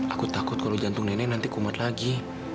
aku takut kalau jantung nenek nanti kumat lagi